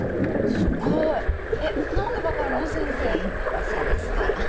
医者ですから。